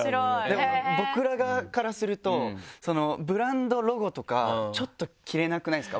でも僕ら側からするとブランドロゴとかちょっと着れなくないですか？